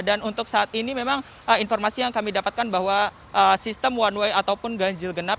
dan untuk saat ini memang informasi yang kami dapatkan bahwa sistem one way ataupun ganjil genap